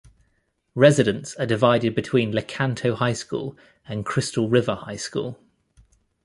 Residents are divided between Lecanto High School and Crystal River High School.